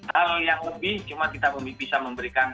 hal yang lebih cuma kita bisa memberikan